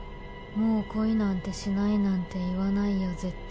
「もう恋なんてしないなんて言わないよ絶対」